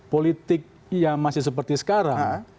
politik yang masih seperti sekarang